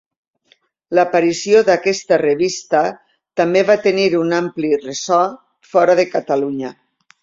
L'aparició d'aquesta revista també va tenir un ampli ressò fora de Catalunya.